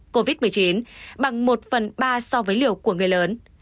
covid một mươi chín bằng một phần ba so với liều của người lớn